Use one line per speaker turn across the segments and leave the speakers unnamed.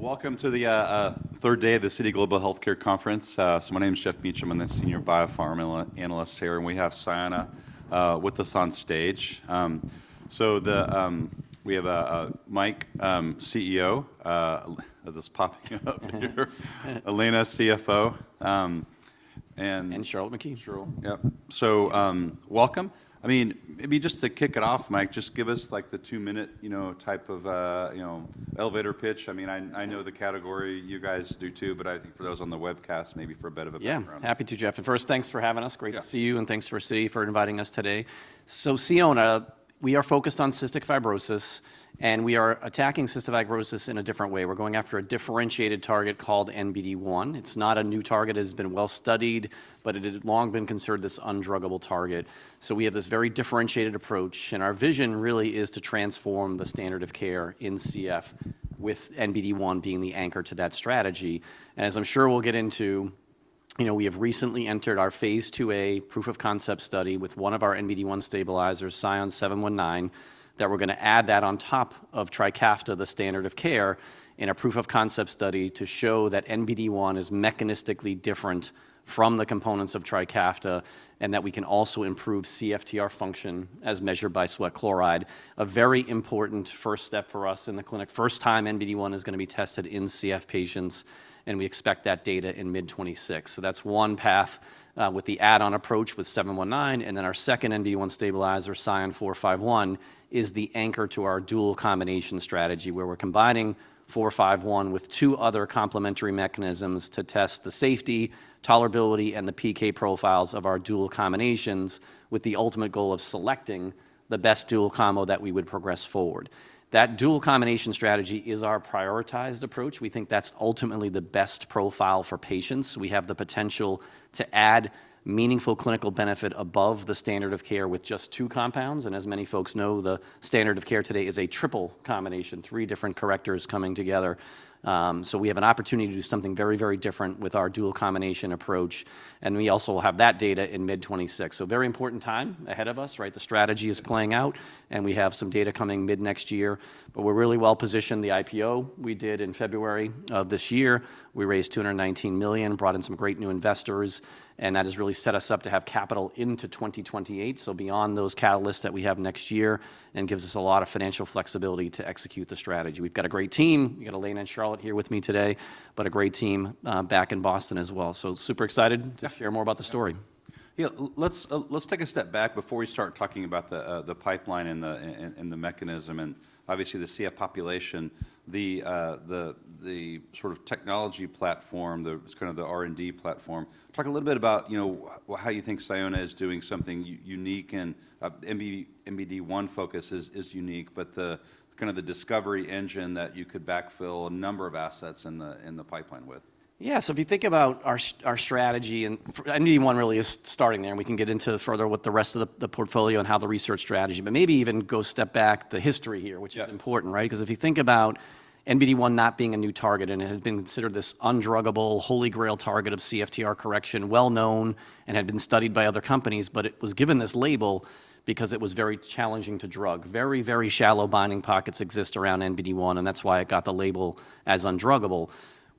Welcome to the third day of the Citi Global Healthcare Conference. So my name is Geoff Meacham. I'm the Senior Biopharma Analyst here. And we have Sionna with us on stage. So we have Mike, CEO, just popping up here. Elena, CFO.
Charlotte McKee.
Charlotte. Yep. So welcome. I mean, maybe just to kick it off, Mike, just give us like the two-minute type of elevator pitch. I mean, I know the category. You guys do too. But I think for those on the webcast, maybe for a bit of a background.
Yeah. Happy to, Geoff. And first, thanks for having us. Great to see you. And thanks to Citi for inviting us today. So Sionna, we are focused on cystic fibrosis. And we are attacking cystic fibrosis in a different way. We're going after a differentiated target called NBD1. It's not a new target. It has been well-studied. But it had long been considered this undruggable target. So we have this very differentiated approach. And our vision really is to transform the standard of care in CF, with NBD1 being the anchor to that strategy. As I'm sure we'll get into, we have recently entered our Phase 2a proof of concept study with one of our NBD1 stabilizers, SION-719, that we're going to add that on top of Trikafta, the standard of care, in a proof of concept study to show that NBD1 is mechanistically different from the components of Trikafta and that we can also improve CFTR function as measured by sweat chloride. A very important first step for us in the clinic. First time NBD1 is going to be tested in CF patients. We expect that data in mid-2026. That's one path with the add-on approach with 719. Our second NBD1 stabilizer, SION-451, is the anchor to our dual combination strategy, where we're combining 451 with two other complementary mechanisms to test the safety, tolerability, and the PK profiles of our dual combinations, with the ultimate goal of selecting the best dual combo that we would progress forward. That dual combination strategy is our prioritized approach. We think that's ultimately the best profile for patients. We have the potential to add meaningful clinical benefit above the standard of care with just two compounds. And as many folks know, the standard of care today is a triple combination, three different correctors coming together. We have an opportunity to do something very, very different with our dual combination approach. And we also will have that data in mid-2026. So very important time ahead of us. The strategy is playing out. We have some data coming mid-next year. But we're really well-positioned. The IPO we did in February of this year, we raised $219 million, brought in some great new investors. And that has really set us up to have capital into 2028, so beyond those catalysts that we have next year, and gives us a lot of financial flexibility to execute the strategy. We've got a great team. We've got Elena and Charlotte here with me today, but a great team back in Boston as well. So super excited to share more about the story.
Yeah. Let's take a step back before we start talking about the pipeline and the mechanism and obviously the CF population, the sort of technology platform, kind of the R&D platform. Talk a little bit about how you think Sionna is doing something unique. And NBD1 focus is unique, but kind of the discovery engine that you could backfill a number of assets in the pipeline with.
Yeah. So if you think about our strategy, and NBD1 really is starting there. We can get into further with the rest of the portfolio and how the research strategy, but maybe even go step back the history here, which is important. Because if you think about NBD1 not being a new target, and it has been considered this undruggable, holy grail target of CFTR correction, well known, and had been studied by other companies, but it was given this label because it was very challenging to drug. Very, very shallow binding pockets exist around NBD1. That's why it got the label as undruggable.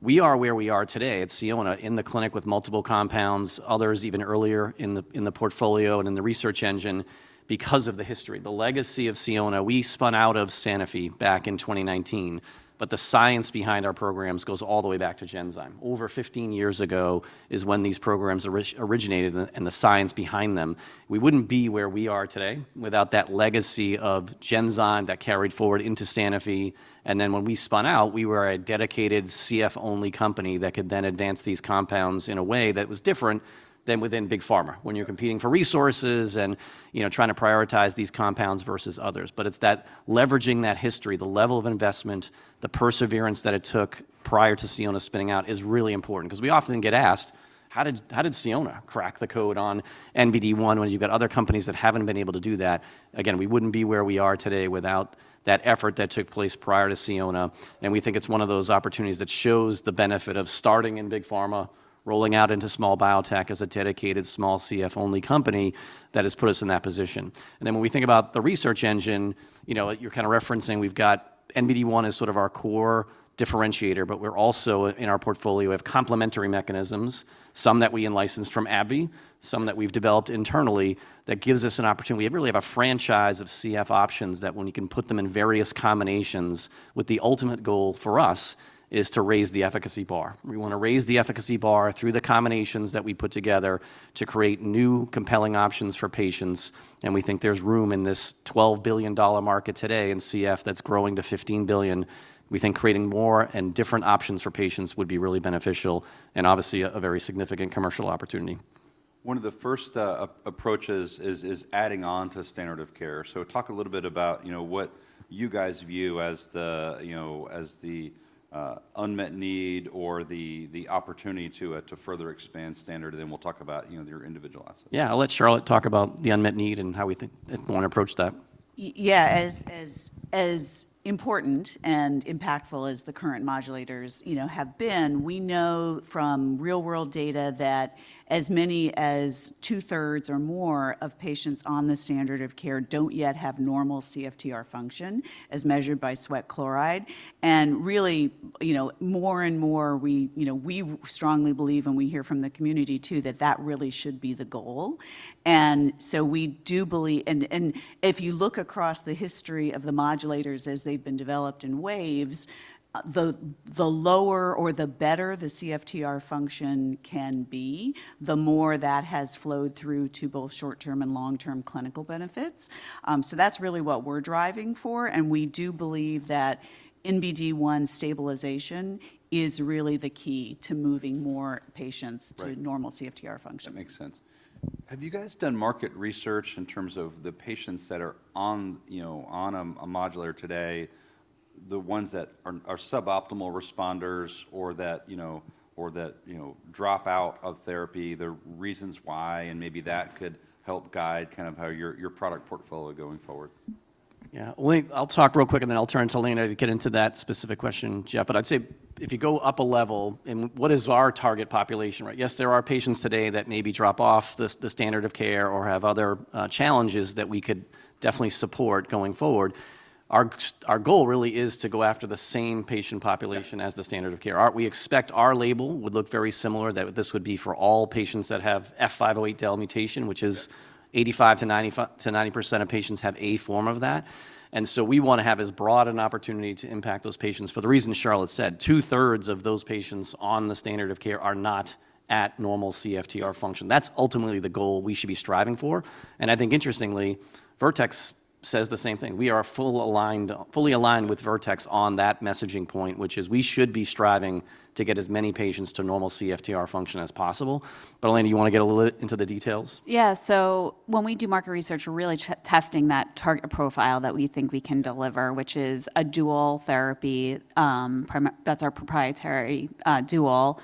We are where we are today at Sionna, in the clinic with multiple compounds, others even earlier in the portfolio and in the research engine because of the history, the legacy of Sionna. We spun out of Sanofi back in 2019. But the science behind our programs goes all the way back to Genzyme. Over 15 years ago is when these programs originated and the science behind them. We wouldn't be where we are today without that legacy of Genzyme that carried forward into Sanofi. And then when we spun out, we were a dedicated CF-only company that could then advance these compounds in a way that was different than within Big Pharma, when you're competing for resources and trying to prioritize these compounds versus others. But it's that leveraging that history, the level of investment, the perseverance that it took prior to Sionna spinning out is really important. Because we often get asked, how did Sionna crack the code on NBD1 when you've got other companies that haven't been able to do that? Again, we wouldn't be where we are today without that effort that took place prior to Sionna. We think it's one of those opportunities that shows the benefit of starting in Big Pharma, rolling out into small biotech as a dedicated small CF-only company that has put us in that position. And then when we think about the research engine you're kind of referencing, we've got NBD1 as sort of our core differentiator. But we're also in our portfolio of complementary mechanisms, some that we licensed from AbbVie, some that we've developed internally, that gives us an opportunity. We really have a franchise of CF options that when you can put them in various combinations with the ultimate goal for us is to raise the efficacy bar. We want to raise the efficacy bar through the combinations that we put together to create new compelling options for patients. And we think there's room in this $12 billion market today in CF that's growing to $15 billion. We think creating more and different options for patients would be really beneficial and obviously a very significant commercial opportunity.
One of the first approaches is adding on to standard of care, so talk a little bit about what you guys view as the unmet need or the opportunity to further expand standard, and then we'll talk about your individual assets.
Yeah. I'll let Charlotte talk about the unmet need and how we think we want to approach that.
Yeah. As important and impactful as the current modulators have been, we know from real-world data that as many as two-thirds or more of patients on the standard of care don't yet have normal CFTR function, as measured by sweat chloride. And really, more and more, we strongly believe, and we hear from the community too, that that really should be the goal. And so we do believe, and if you look across the history of the modulators as they've been developed in waves, the lower or the better the CFTR function can be, the more that has flowed through to both short-term and long-term clinical benefits. So that's really what we're driving for. And we do believe that NBD1 stabilization is really the key to moving more patients to normal CFTR function.
That makes sense. Have you guys done market research in terms of the patients that are on a modulator today, the ones that are suboptimal responders or that drop out of therapy, the reasons why, and maybe that could help guide kind of how your product portfolio going forward?
Yeah. I'll talk real quick. And then I'll turn to Elena to get into that specific question, Geoff. But I'd say if you go up a level, and what is our target population? Yes, there are patients today that maybe drop off the standard of care or have other challenges that we could definitely support going forward. Our goal really is to go after the same patient population as the standard of care. We expect our label would look very similar, that this would be for all patients that have F508del, which is 85%-90% of patients have a form of that. And so we want to have as broad an opportunity to impact those patients. For the reason Charlotte said, two-thirds of those patients on the standard of care are not at normal CFTR function. That's ultimately the goal we should be striving for. And I think interestingly, Vertex says the same thing. We are fully aligned with Vertex on that messaging point, which is we should be striving to get as many patients to normal CFTR function as possible. But Elena, do you want to get a little bit into the details?
Yeah. So when we do market research, we're really testing that target profile that we think we can deliver, which is a dual therapy. That's our proprietary dual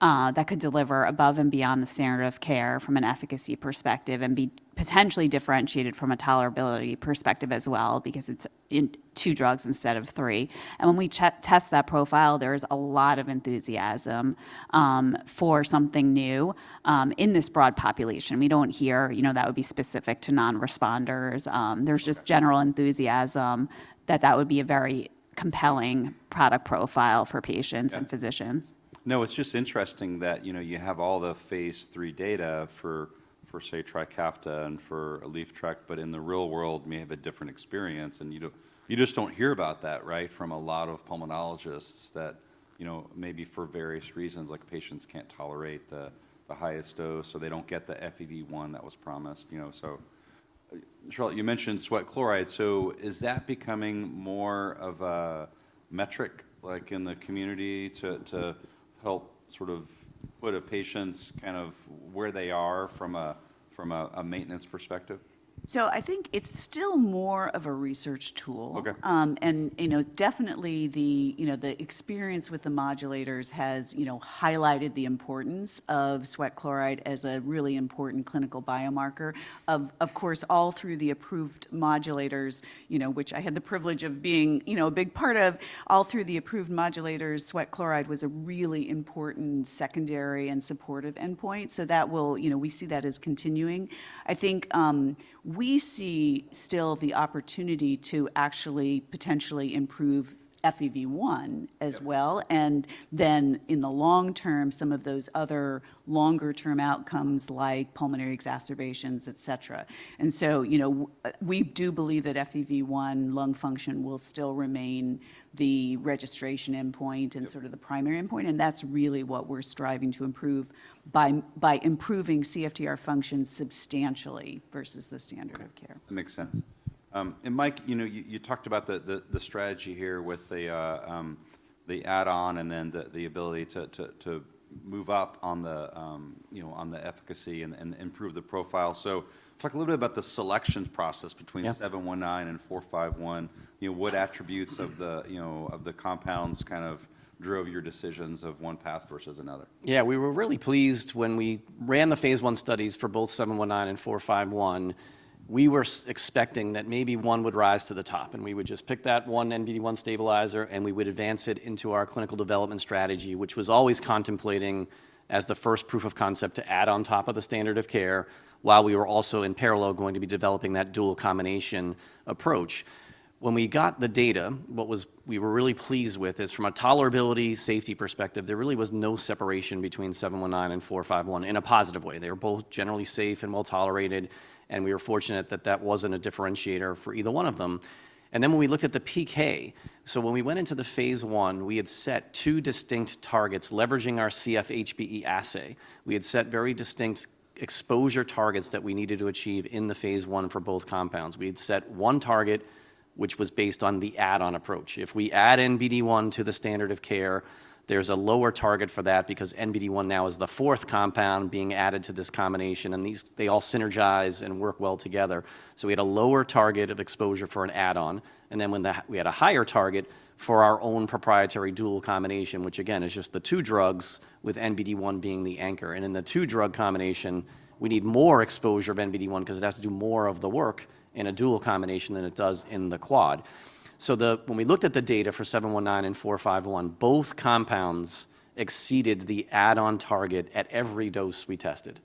that could deliver above and beyond the standard of care from an efficacy perspective and be potentially differentiated from a tolerability perspective as well because it's two drugs instead of three. And when we test that profile, there is a lot of enthusiasm for something new in this broad population. We don't hear that would be specific to non-responders. There's just general enthusiasm that that would be a very compelling product profile for patients and physicians.
No, it's just interesting that you have all the Phase 3 data for, say, Trikafta and for Symdeko, but in the real world, may have a different experience, and you just don't hear about that from a lot of pulmonologists that maybe for various reasons, like patients can't tolerate the highest dose, or they don't get the FEV1 that was promised. So, Charlotte, you mentioned sweat chloride, so is that becoming more of a metric in the community to help sort of put a patient kind of where they are from a maintenance perspective?
So I think it's still more of a research tool. And definitely the experience with the modulators has highlighted the importance of sweat chloride as a really important clinical biomarker. Of course, all through the approved modulators, which I had the privilege of being a big part of, sweat chloride was a really important secondary and supportive endpoint. So we see that as continuing. I think we see still the opportunity to actually potentially improve FEV1 as well. And then in the long term, some of those other longer-term outcomes like pulmonary exacerbations, et cetera. And so we do believe that FEV1 lung function will still remain the registration endpoint and sort of the primary endpoint. And that's really what we're striving to improve by improving CFTR function substantially versus the standard of care.
That makes sense. And Mike, you talked about the strategy here with the add-on and then the ability to move up on the efficacy and improve the profile. So talk a little bit about the selection process between 719 and 451. What attributes of the compounds kind of drove your decisions of one path versus another?
Yeah. We were really pleased when we ran the Phase 1 studies for both SION-719 and SION-451. We were expecting that maybe one would rise to the top. And we would just pick that one NBD1 stabilizer, and we would advance it into our clinical development strategy, which was always contemplating as the first proof of concept to add on top of the standard of care while we were also in parallel going to be developing that dual combination approach. When we got the data, what we were really pleased with is from a tolerability safety perspective, there really was no separation between SION-719 and SION-451 in a positive way. They were both generally safe and well tolerated. And we were fortunate that that wasn't a differentiator for either one of them. And then when we looked at the PK, so when we went into the Phase 1, we had set two distinct targets leveraging our CF HBE assay. We had set very distinct exposure targets that we needed to achieve in the Phase 1 for both compounds. We had set one target, which was based on the add-on approach. If we add NBD1 to the standard of care, there's a lower target for that because NBD1 now is the fourth compound being added to this combination. And they all synergize and work well together. So we had a lower target of exposure for an add-on. And then we had a higher target for our own proprietary dual combination, which again is just the two drugs with NBD1 being the anchor. In the two-drug combination, we need more exposure of NBD1 because it has to do more of the work in a dual combination than it does in the quad. When we looked at the data for 719 and 451, both compounds exceeded the add-on target at every dose we tested.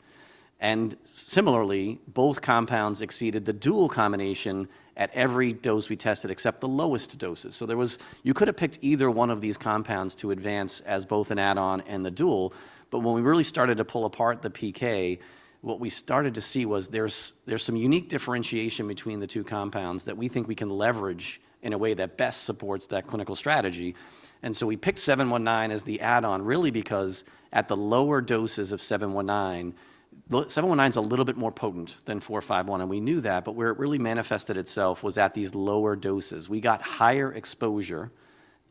Similarly, both compounds exceeded the dual combination at every dose we tested except the lowest doses. You could have picked either one of these compounds to advance as both an add-on and the dual. When we really started to pull apart the PK, what we started to see was there's some unique differentiation between the two compounds that we think we can leverage in a way that best supports that clinical strategy. And so we picked 719 as the add-on really because at the lower doses of 719, 719 is a little bit more potent than 451. And we knew that. But where it really manifested itself was at these lower doses. We got higher exposure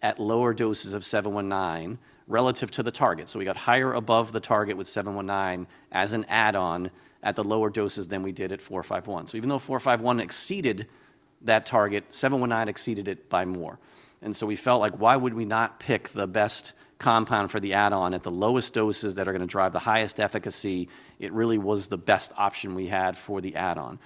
at lower doses of 719 relative to the target. So we got higher above the target with 719 as an add-on at the lower doses than we did at 451. So even though 451 exceeded that target, 719 exceeded it by more. And so we felt like, why would we not pick the best compound for the add-on at the lowest doses that are going to drive the highest efficacy? It really was the best option we had for the add-on.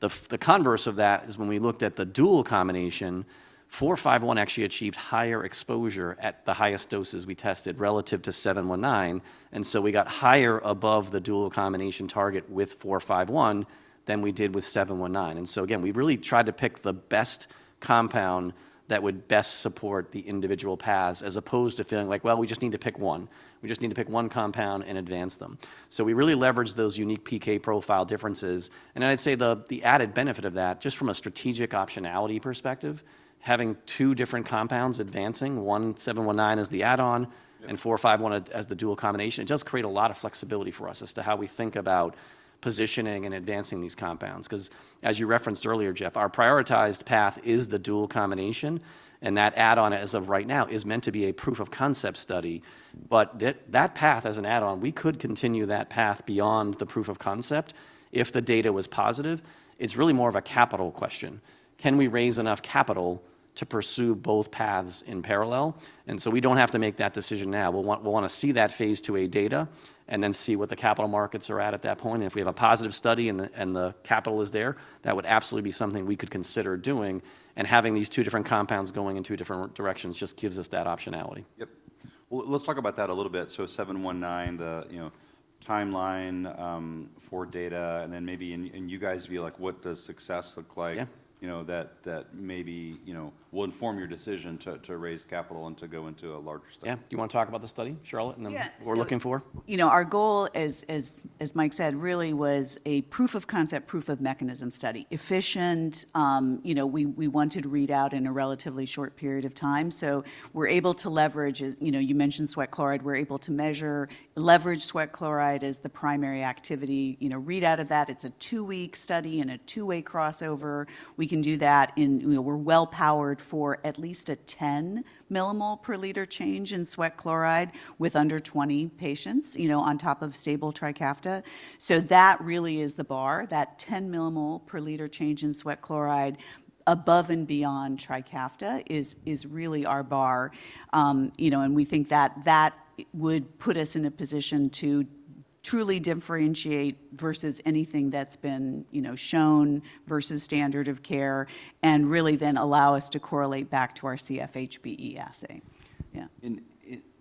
The converse of that is when we looked at the dual combination, 451 actually achieved higher exposure at the highest doses we tested relative to 719. And so we got higher above the dual combination target with 451 than we did with 719. And so again, we really tried to pick the best compound that would best support the individual paths as opposed to feeling like, well, we just need to pick one. We just need to pick one compound and advance them. So we really leveraged those unique PK profile differences. And then I'd say the added benefit of that just from a strategic optionality perspective, having two different compounds advancing, one 719 as the add-on and 451 as the dual combination, it does create a lot of flexibility for us as to how we think about positioning and advancing these compounds. Because as you referenced earlier, Geoff, our prioritized path is the dual combination. And that add-on as of right now is meant to be a proof of concept study. But that path as an add-on, we could continue that path beyond the proof of concept if the data was positive. It's really more of a capital question. Can we raise enough capital to pursue both paths in parallel? And so we don't have to make that decision now. We'll want to see that Phase 2a data and then see what the capital markets are at that point. And if we have a positive study and the capital is there, that would absolutely be something we could consider doing. And having these two different compounds going in two different directions just gives us that optionality.
Yep. Well, let's talk about that a little bit. So 719, the timeline for data. And then maybe in you guys' view, what does success look like that maybe will inform your decision to raise capital and to go into a larger study?
Yeah. Do you want to talk about the study, Charlotte, and then what we're looking for?
Our goal, as Mike said, really was a proof of concept, proof of mechanism study. Efficiently, we wanted to read out in a relatively short period of time. So we're able to leverage, you mentioned sweat chloride. We're able to leverage sweat chloride as the primary activity readout of that. It's a two-week study and a two-way crossover. We can do that. We're well powered for at least a 10 mmol/L change in sweat chloride with under 20 patients on top of stable Trikafta. So that really is the bar. That 10 mmol/L change in sweat chloride above and beyond Trikafta is really our bar, and we think that that would put us in a position to truly differentiate versus anything that's been shown versus standard of care and really then allow us to correlate back to our CF HBE assay. Yeah.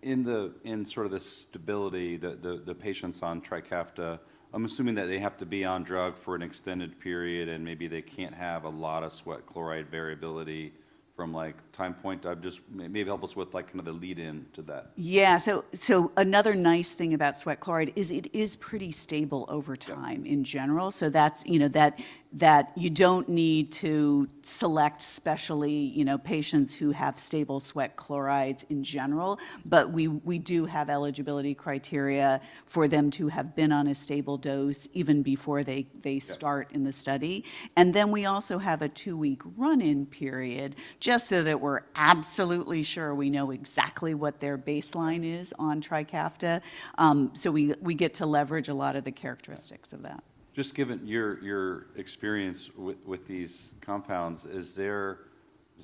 In sort of the stability, the patients on Trikafta, I'm assuming that they have to be on drug for an extended period. Maybe they can't have a lot of sweat chloride variability from time point. Maybe help us with kind of the lead-in to that.
Yeah. So another nice thing about sweat chloride is it is pretty stable over time in general. So that you don't need to select specially patients who have stable sweat chlorides in general. But we do have eligibility criteria for them to have been on a stable dose even before they start in the study. And then we also have a two-week run-in period just so that we're absolutely sure we know exactly what their baseline is on Trikafta. So we get to leverage a lot of the characteristics of that.
Just given your experience with these compounds, is there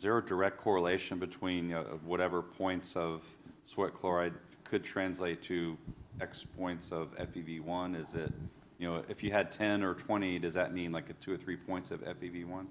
a direct correlation between whatever points of sweat chloride could translate to X points of FEV1? If you had 10 or 20, does that mean like two or three points of FEV1?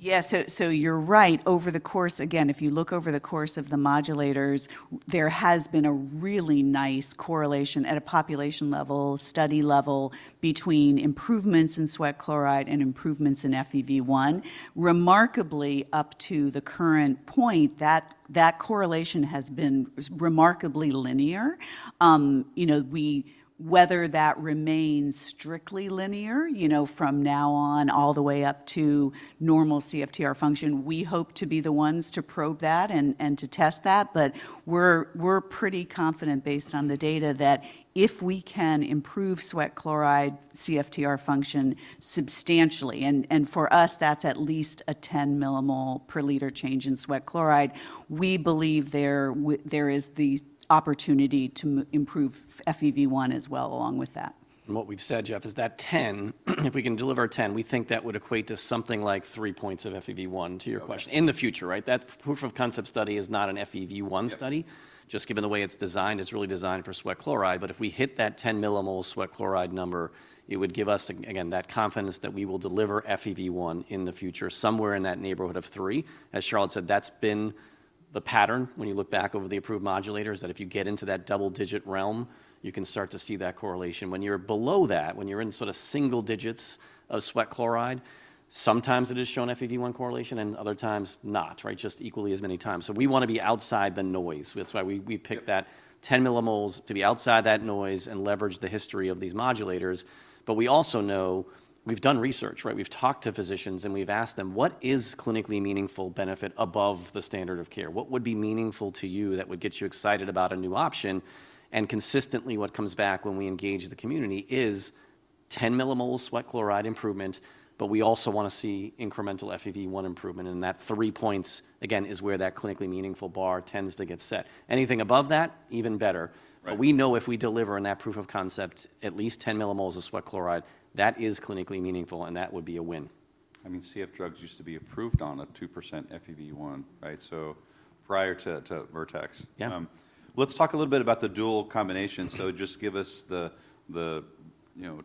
Yeah. So you're right. Over the course, again, if you look over the course of the modulators, there has been a really nice correlation at a population level, study level between improvements in sweat chloride and improvements in FEV1. Remarkably, up to the current point, that correlation has been remarkably linear. Whether that remains strictly linear from now on all the way up to normal CFTR function, we hope to be the ones to probe that and to test that. But we're pretty confident based on the data that if we can improve sweat chloride CFTR function substantially, and for us, that's at least a 10 mmol/L change in sweat chloride, we believe there is the opportunity to improve FEV1 as well along with that.
What we've said, Geoff is that 10, if we can deliver 10, we think that would equate to something like three points of FEV1 to your question in the future. That proof of concept study is not an FEV1 study. Just given the way it's designed, it's really designed for sweat chloride. But if we hit that 10 mmol sweat chloride number, it would give us, again, that confidence that we will deliver FEV1 in the future somewhere in that neighborhood of three. As Charlotte said, that's been the pattern when you look back over the approved modulators that if you get into that double-digit realm, you can start to see that correlation. When you're below that, when you're in sort of single digits of sweat chloride, sometimes it has shown FEV1 correlation and other times not, just equally as many times. So we want to be outside the noise. That's why we picked that 10 mmol to be outside that noise and leverage the history of these modulators. But we also know we've done research. We've talked to physicians and we've asked them, what is clinically meaningful benefit above the standard of care? What would be meaningful to you that would get you excited about a new option? And consistently, what comes back when we engage the community is 10 mmol sweat chloride improvement. But we also want to see incremental FEV1 improvement. And that 3 points, again, is where that clinically meaningful bar tends to get set. Anything above that, even better. But we know if we deliver in that proof of concept at least 10 mmol of sweat chloride, that is clinically meaningful. And that would be a win.
I mean, CF drugs used to be approved on a 2% FEV1. So prior to Vertex. Let's talk a little bit about the dual combination. So just give us the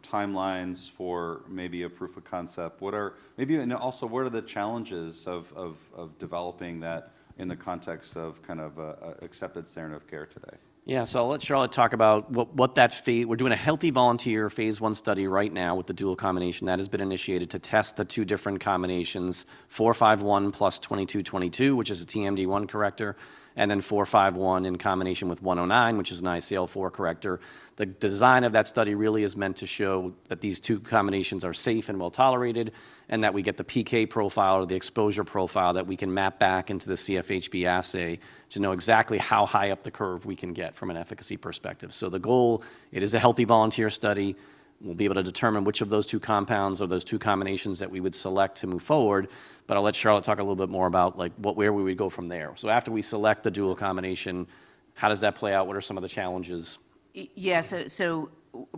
timelines for maybe a proof of concept. And also, what are the challenges of developing that in the context of kind of accepted standard of care today?
Yeah. So I'll let Charlotte talk about what that is. We're doing a healthy volunteer Phase 1 study right now with the dual combination that has been initiated to test the two different combinations, 451 plus 2222, which is a TMD1 corrector, and then 451 in combination with 109, which is an ICL4 corrector. The design of that study really is meant to show that these two combinations are safe and well tolerated and that we get the PK profile or the exposure profile that we can map back into the CF HBE assay to know exactly how high up the curve we can get from an efficacy perspective. So the goal, it is a healthy volunteer study. We'll be able to determine which of those two compounds or those two combinations that we would select to move forward. But I'll let Charlotte talk a little bit more about where we would go from there. So after we select the dual combination, how does that play out? What are some of the challenges?
Yeah. So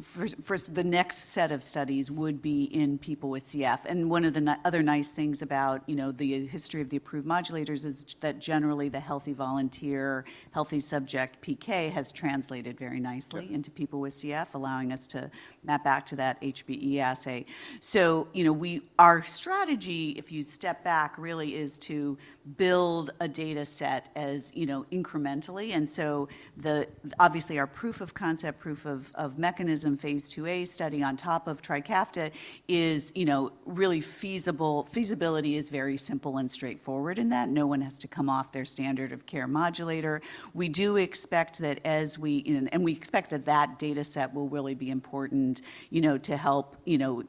first, the next set of studies would be in people with CF. And one of the other nice things about the history of the approved modulators is that generally the healthy volunteer, healthy subject PK has translated very nicely into people with CF, allowing us to map back to that HBE assay. So our strategy, if you step back, really is to build a data set incrementally. And so obviously our proof of concept, proof of mechanism Phase 2a study on top of Trikafta is really feasible. Feasibility is very simple and straightforward in that no one has to come off their standard of care modulator. We do expect that as we and we expect that that data set will really be important to help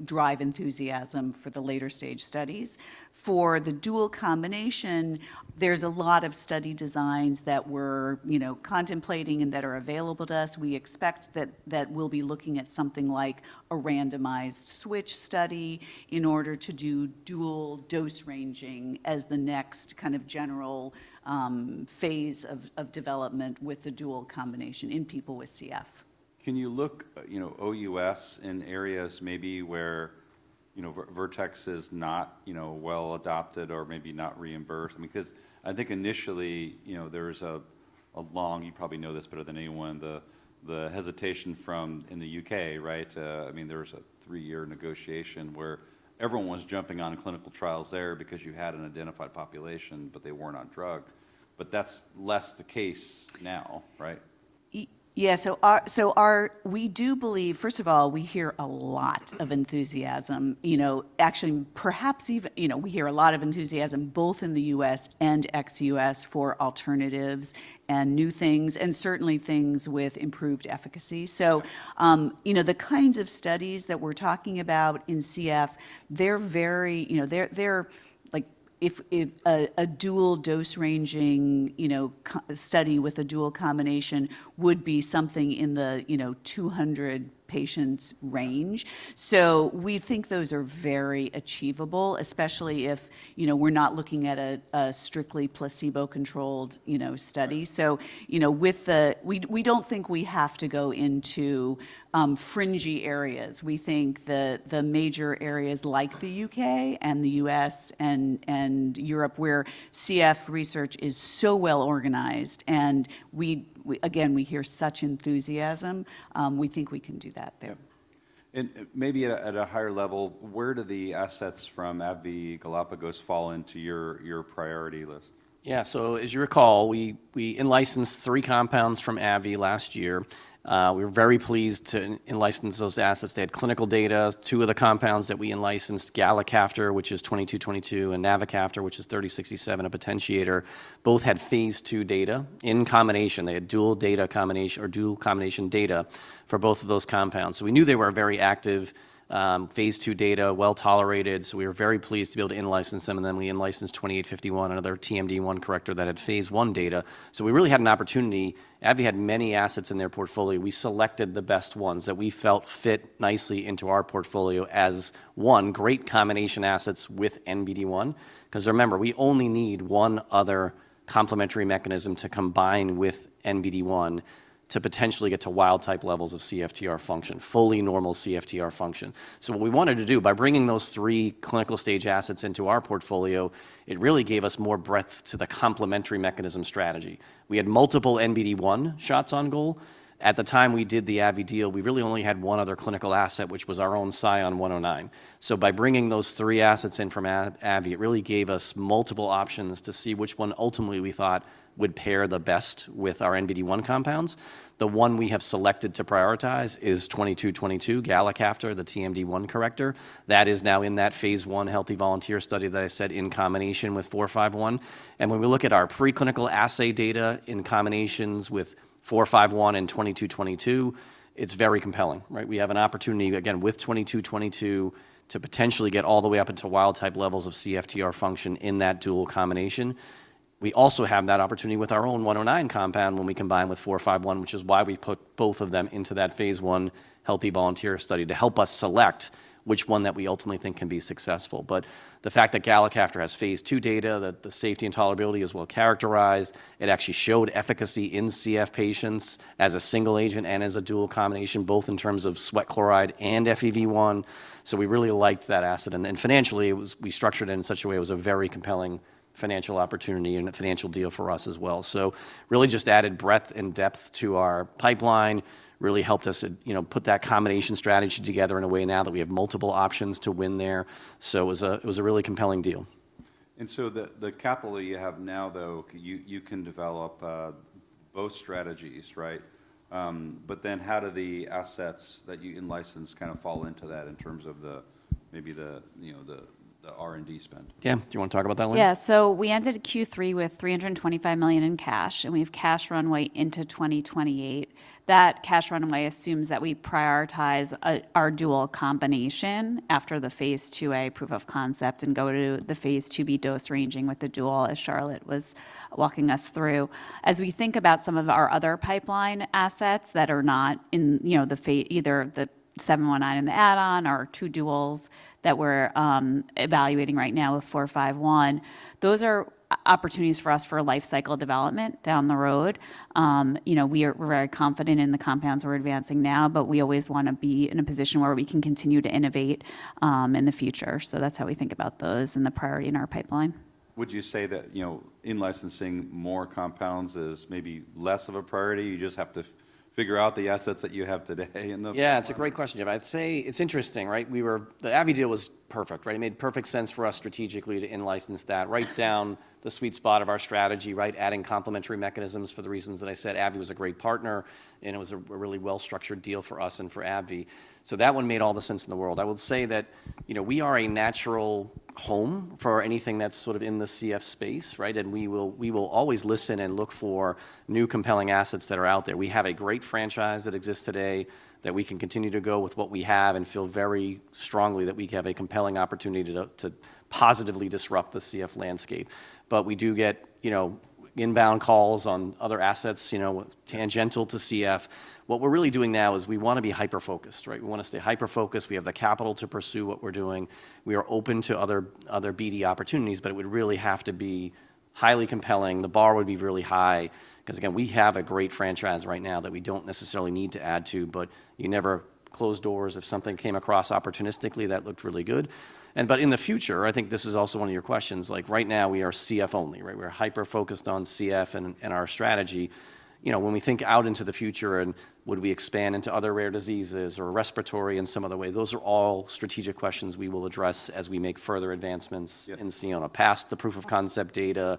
drive enthusiasm for the later stage studies. For the dual combination, there's a lot of study designs that we're contemplating and that are available to us. We expect that we'll be looking at something like a randomized switch study in order to do dual dose ranging as the next kind of general phase of development with the dual combination in people with CF.
Can you look OUS in areas maybe where Vertex is not well adopted or maybe not reimbursed? Because I think initially there's a long, you probably know this better than anyone, the hesitation from in the U.K. I mean, there was a three-year negotiation where everyone was jumping on clinical trials there because you had an identified population, but they weren't on drug. But that's less the case now. Right?
Yeah. So we do believe, first of all, we hear a lot of enthusiasm. Actually, perhaps even we hear a lot of enthusiasm both in the U.S. and ex-U.S. for alternatives and new things and certainly things with improved efficacy. So the kinds of studies that we're talking about in CF, they're very feasible if a dual dose-ranging study with a dual combination would be something in the 200-patient range. So we think those are very achievable, especially if we're not looking at a strictly placebo-controlled study. So we don't think we have to go into fringe areas. We think the major areas like the U.K. and the U.S. and Europe where CF research is so well organized and, again, we hear such enthusiasm, we think we can do that there.
Maybe at a higher level, where do the assets from AbbVie, Galapagos fall into your priority list?
Yeah. So as you recall, we in-licensed three compounds from AbbVie last year. We were very pleased to in-license those assets. They had clinical data. Two of the compounds that we in-licensed, Galicaftor, which is 2222, and Navocaftor, which is 3067, a potentiator, both had Phase 2 data in combination. They had dual combination data for both of those compounds. So we knew they were very active. Phase 2 data, well tolerated. So we were very pleased to be able to in-license them. And then we in-licensed 2851, another TMD1 corrector that had Phase 1 data. So we really had an opportunity. AbbVie had many assets in their portfolio. We selected the best ones that we felt fit nicely into our portfolio as one great combination assets with NBD1. Because remember, we only need one other complementary mechanism to combine with NBD1 to potentially get to wild type levels of CFTR function, fully normal CFTR function. So what we wanted to do by bringing those three clinical stage assets into our portfolio, it really gave us more breadth to the complementary mechanism strategy. We had multiple NBD1 shots on goal. At the time we did the AbbVie deal, we really only had one other clinical asset, which was our own SION-109. So by bringing those three assets in from AbbVie, it really gave us multiple options to see which one ultimately we thought would pair the best with our NBD1 compounds. The one we have selected to prioritize is 2222, Galicaftor, the TMD1 corrector. That is now in that Phase 1 healthy volunteer study that I said in combination with 451. And when we look at our preclinical assay data in combinations with 451 and 2222, it's very compelling. We have an opportunity, again, with 2222 to potentially get all the way up into wild-type levels of CFTR function in that dual combination. We also have that opportunity with our own 109 compound when we combine with 451, which is why we put both of them into that Phase 1 healthy volunteer study to help us select which one that we ultimately think can be successful. But the fact that Galicaftor has Phase 2 data, that the safety and tolerability is well characterized, it actually showed efficacy in CF patients as a single agent and as a dual combination, both in terms of sweat chloride and FEV1. So we really liked that asset. And then financially, we structured it in such a way it was a very compelling financial opportunity and a financial deal for us as well. So really just added breadth and depth to our pipeline, really helped us put that combination strategy together in a way now that we have multiple options to win there. So it was a really compelling deal.
And so the capital that you have now, though, you can develop both strategies. But then how do the assets that you in-license kind of fall into that in terms of maybe the R&D spend?
Yeah. Do you want to talk about that one?
Yeah. So we entered Q3 with $325 million in cash, and we have cash runway into 2028. That cash runway assumes that we prioritize our dual combination after the Phase 2a proof of concept and go to the phase 2b dose ranging with the dual as Charlotte was walking us through. As we think about some of our other pipeline assets that are not in either the 719 and the add-on or two duals that we're evaluating right now with 451, those are opportunities for us for lifecycle development down the road. We're very confident in the compounds we're advancing now, but we always want to be in a position where we can continue to innovate in the future, so that's how we think about those and the priority in our pipeline.
Would you say that in-licensing more compounds is maybe less of a priority? You just have to figure out the assets that you have today and the.
Yeah. It's a great question, Geoff. I'd say it's interesting. The AbbVie deal was perfect. It made perfect sense for us strategically to enlicense that, right down the sweet spot of our strategy, adding complementary mechanisms for the reasons that I said. AbbVie was a great partner, and it was a really well-structured deal for us and for AbbVie, so that one made all the sense in the world. I will say that we are a natural home for anything that's sort of in the CF space, and we will always listen and look for new compelling assets that are out there. We have a great franchise that exists today that we can continue to go with what we have and feel very strongly that we have a compelling opportunity to positively disrupt the CF landscape, but we do get inbound calls on other assets tangential to CF. What we're really doing now is we want to be hyper-focused. We want to stay hyper-focused. We have the capital to pursue what we're doing. We are open to other BD opportunities, but it would really have to be highly compelling. The bar would be really high. Because again, we have a great franchise right now that we don't necessarily need to add to, but you never close doors if something came across opportunistically that looked really good. But in the future, I think this is also one of your questions. Right now, we are CF only. We're hyper-focused on CF and our strategy. When we think out into the future and would we expand into other rare diseases or respiratory in some other way, those are all strategic questions we will address as we make further advancements in Sionna. Past the proof of concept data,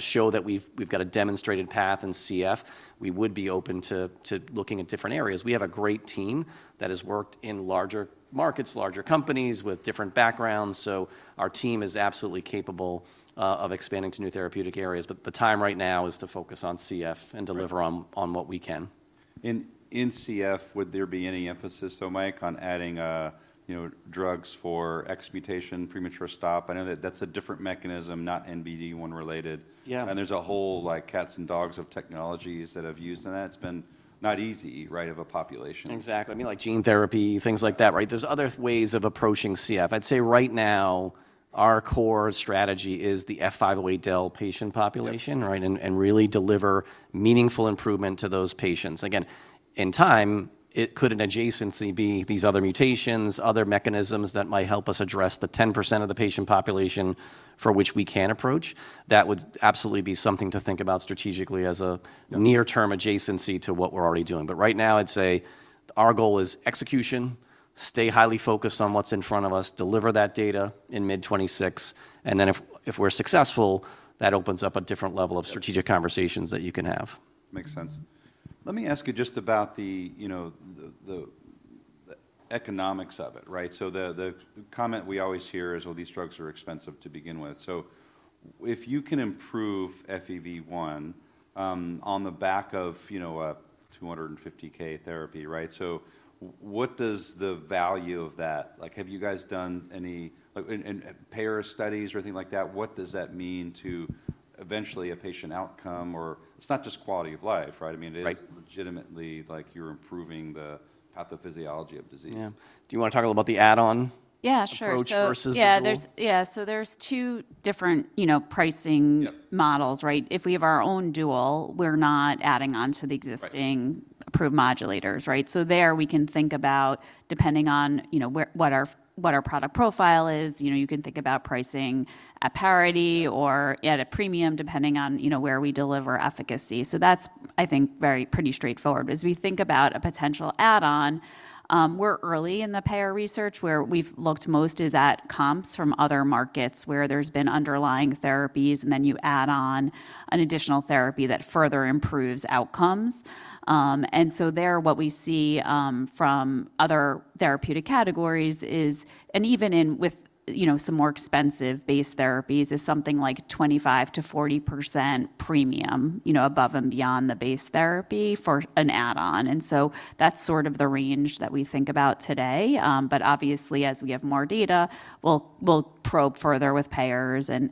show that we've got a demonstrated path in CF, we would be open to looking at different areas. We have a great team that has worked in larger markets, larger companies with different backgrounds. So our team is absolutely capable of expanding to new therapeutic areas. But the time right now is to focus on CF and deliver on what we can.
In CF, would there be any emphasis, Mike, on adding drugs for nonsense mutation, premature stop? I know that that's a different mechanism, not NBD1 related. There's a whole host of technologies that have been used in that. It's been not an easy population.
Exactly. I mean, like gene therapy, things like that. There's other ways of approaching CF. I'd say right now, our core strategy is the F508del patient population and really deliver meaningful improvement to those patients. Again, in time, it could in adjacency be these other mutations, other mechanisms that might help us address the 10% of the patient population for which we can approach. That would absolutely be something to think about strategically as a near-term adjacency to what we're already doing. But right now, I'd say our goal is execution, stay highly focused on what's in front of us, deliver that data in mid-2026. And then if we're successful, that opens up a different level of strategic conversations that you can have.
Makes sense. Let me ask you just about the economics of it. So the comment we always hear is, well, these drugs are expensive to begin with. So if you can improve FEV1 on the back of a $250,000 therapy, so what does the value of that? Have you guys done any payer studies or anything like that? What does that mean to eventually a patient outcome? Or it's not just quality of life. I mean, it is legitimately like you're improving the pathophysiology of disease.
Yeah. Do you want to talk a little about the add-on?
Yeah, sure.
Approach versus the payer?
Yeah. So there's two different pricing models. If we have our own dual, we're not adding on to the existing approved modulators. So there we can think about depending on what our product profile is, you can think about pricing at parity or at a premium depending on where we deliver efficacy. So that's, I think, pretty straightforward. As we think about a potential add-on, we're early in the payer research where we've looked most is at comps from other markets where there's been underlying therapies and then you add on an additional therapy that further improves outcomes. And so there what we see from other therapeutic categories is, and even with some more expensive base therapies, is something like 25%-40% premium above and beyond the base therapy for an add-on. And so that's sort of the range that we think about today. But obviously, as we have more data, we'll probe further with payers and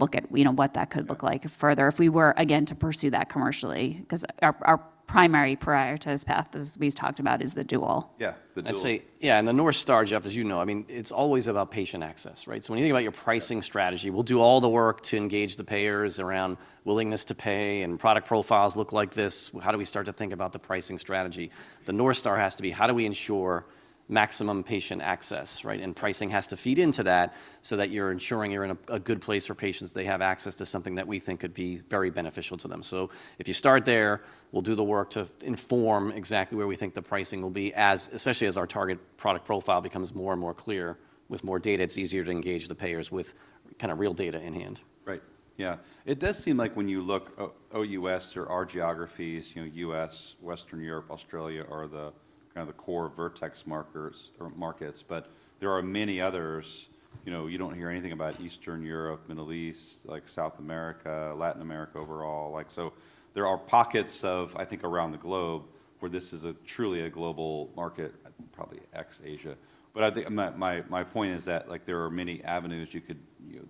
look at what that could look like further if we were, again, to pursue that commercially. Because our primary prioritized path, as we've talked about, is the dual.
Yeah. The dual.
I'd say, yeah. The North Star, Geoff, as you know, I mean, it's always about patient access. So when you think about your pricing strategy, we'll do all the work to engage the payers around willingness to pay and product profiles look like this. How do we start to think about the pricing strategy? The North Star has to be how we ensure maximum patient access. Pricing has to feed into that so that you're ensuring you're in a good place for patients that they have access to something that we think could be very beneficial to them. So if you start there, we'll do the work to inform exactly where we think the pricing will be, especially as our target product profile becomes more and more clear. With more data, it's easier to engage the payers with kind of real data in hand.
Right. Yeah. It does seem like when you look, OUS or our geographies, U.S., Western Europe, Australia are kind of the core Vertex markets. But there are many others. You don't hear anything about Eastern Europe, Middle East, like South America, Latin America overall. So there are pockets of, I think, around the globe where this is truly a global market, probably ex-Asia. But my point is that there are many avenues you could,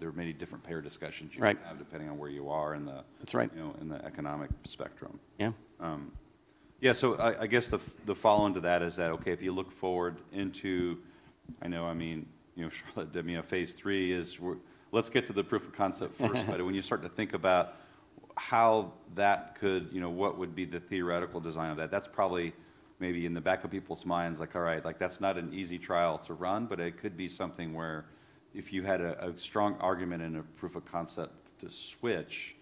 there are many different payer discussions you can have depending on where you are in the economic spectrum.
That's right.
Yeah. So I guess the follow-on to that is that, okay, if you look forward into, I know, I mean, Charlotte did me a Phase 3 is, let's get to the proof of concept first. But when you start to think about how that could, what would be the theoretical design of that? That's probably maybe in the back of people's minds, like, all right, that's not an easy trial to run, but it could be something where if you had a strong argument in a proof of concept to switch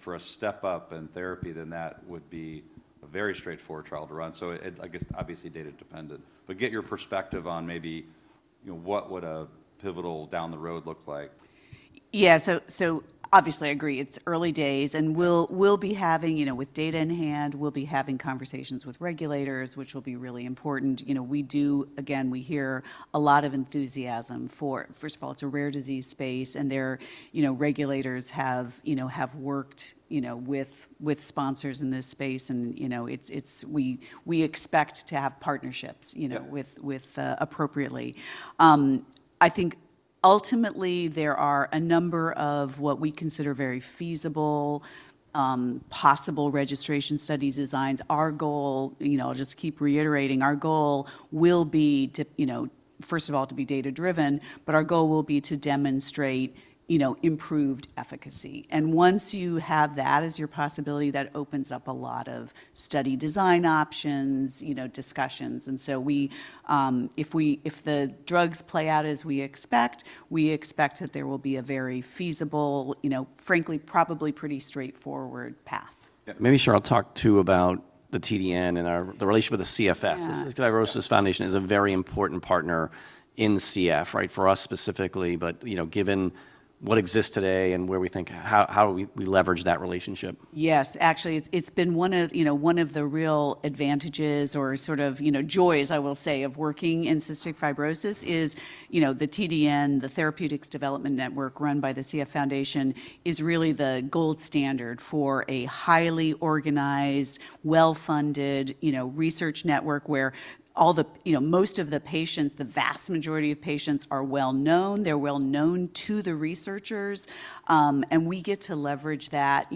for a step up in therapy, then that would be a very straightforward trial to run. So I guess, obviously, data dependent. But get your perspective on maybe what would a pivotal down the road look like.
Yeah. So obviously, I agree. It's early days, and we'll be having, with data in hand, we'll be having conversations with regulators, which will be really important. We do, again, we hear a lot of enthusiasm for, first of all, it's a rare disease space, and their regulators have worked with sponsors in this space, and we expect to have partnerships with appropriately. I think ultimately, there are a number of what we consider very feasible possible registration studies designs. Our goal, I'll just keep reiterating, our goal will be, first of all, to be data-driven, but our goal will be to demonstrate improved efficacy, and once you have that as your possibility, that opens up a lot of study design options, discussions. So if the drugs play out as we expect, we expect that there will be a very feasible, frankly, probably pretty straightforward path.
Yeah. Maybe Charlotte talk too about the TDN and the relationship with the CFF. The Cystic Fibrosis Foundation is a very important partner in CF for us specifically. But given what exists today and where we think, how do we leverage that relationship?
Yes. Actually, it's been one of the real advantages or sort of joys, I will say, of working in cystic fibrosis: the TDN, the Therapeutics Development Network run by the CF Foundation, is really the gold standard for a highly organized, well-funded research network where most of the patients, the vast majority of patients, are well-known. They're well-known to the researchers, and we get to leverage that.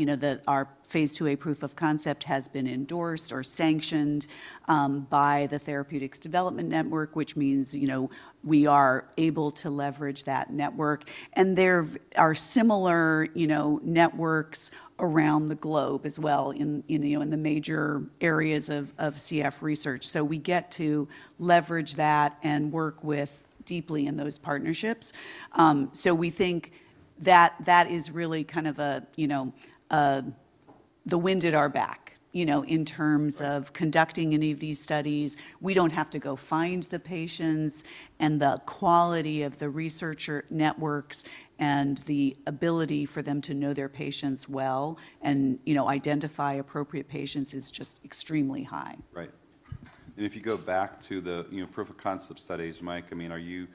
Our Phase 2a proof of concept has been endorsed or sanctioned by the Therapeutics Development Network, which means we are able to leverage that network, and there are similar networks around the globe as well in the major areas of CF research, so we get to leverage that and work deeply in those partnerships, so we think that that is really kind of the wind at our back in terms of conducting any of these studies. We don't have to go find the patients. The quality of the researcher networks and the ability for them to know their patients well and identify appropriate patients is just extremely high.
Right. And if you go back to the proof of concept studies, Mike, I mean, are you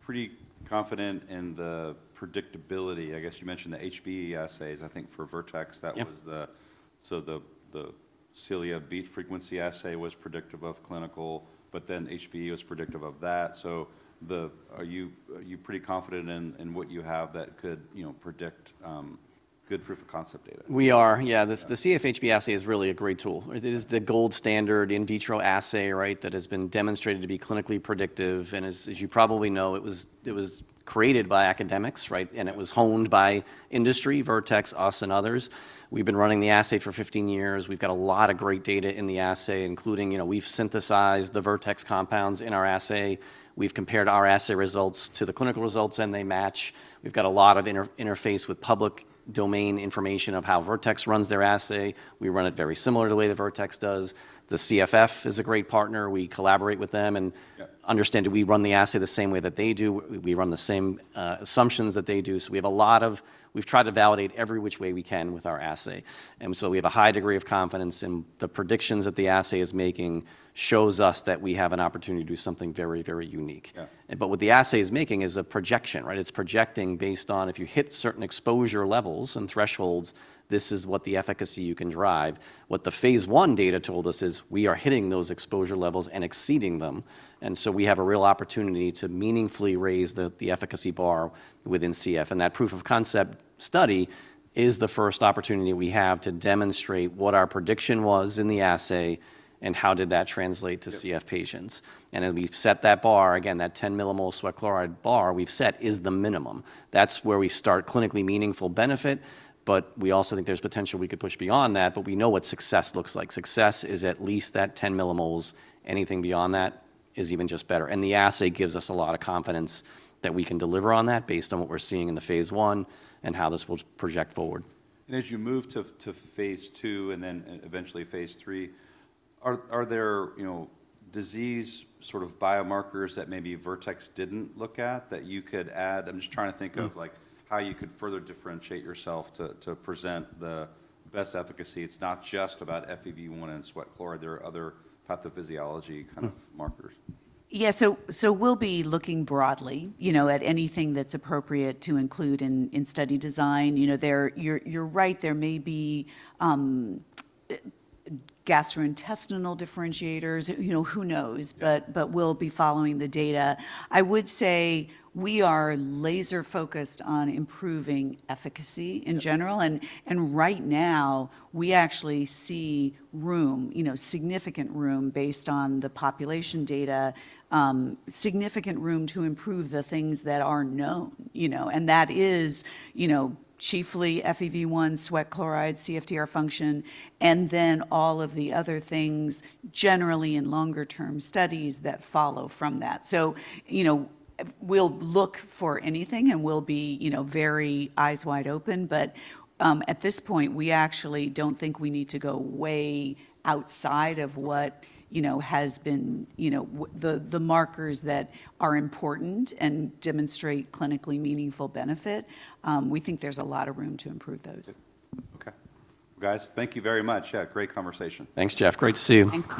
pretty confident in the predictability? I guess you mentioned the HBE assays. I think for Vertex, that was so the Ciliary Beat Frequency assay was predictive of clinical, but then HBE was predictive of that. So are you pretty confident in what you have that could predict good proof of concept data?
We are. Yeah. The CF HBE assay is really a great tool. It is the gold standard in vitro assay that has been demonstrated to be clinically predictive. And as you probably know, it was created by academics. And it was honed by industry, Vertex, us, and others. We've been running the assay for 15 years. We've got a lot of great data in the assay, including we've synthesized the Vertex compounds in our assay. We've compared our assay results to the clinical results, and they match. We've got a lot of interface with public domain information of how Vertex runs their assay. We run it very similar to the way that Vertex does. The CFF is a great partner. We collaborate with them and understand that we run the assay the same way that they do. We run the same assumptions that they do. So we've tried to validate every which way we can with our assay. And so we have a high degree of confidence in the predictions that the assay is making shows us that we have an opportunity to do something very, very unique. But what the assay is making is a projection. It's projecting based on if you hit certain exposure levels and thresholds, this is what the efficacy you can drive. What the Phase 1 data told us is we are hitting those exposure levels and exceeding them. And so we have a real opportunity to meaningfully raise the efficacy bar within CF. And that proof of concept study is the first opportunity we have to demonstrate what our prediction was in the assay and how did that translate to CF patients. And as we've set that bar, again, that 10 mmol sweat chloride bar we've set is the minimum. That's where we start clinically meaningful benefit. But we also think there's potential we could push beyond that. But we know what success looks like. Success is at least that 10 mmol. Anything beyond that is even just better. And the assay gives us a lot of confidence that we can deliver on that based on what we're seeing in the phase one and how this will project forward.
As you move to Phase 2 and then eventually Phase 3, are there disease sort of biomarkers that maybe Vertex didn't look at that you could add? I'm just trying to think of how you could further differentiate yourself to present the best efficacy. It's not just about FEV1 and sweat chloride. There are other pathophysiology kind of markers.
Yeah. So we'll be looking broadly at anything that's appropriate to include in study design. You're right. There may be gastrointestinal differentiators. Who knows? But we'll be following the data. I would say we are laser-focused on improving efficacy in general. And right now, we actually see room, significant room based on the population data, significant room to improve the things that are known. And that is chiefly FEV1, sweat chloride, CFTR function, and then all of the other things generally in longer-term studies that follow from that. So we'll look for anything and we'll be very eyes wide open. But at this point, we actually don't think we need to go way outside of what has been the markers that are important and demonstrate clinically meaningful benefit. We think there's a lot of room to improve those.
Okay. Well, guys, thank you very much. Yeah, great conversation.
Thanks, Geoff. Great to see you.
Thanks.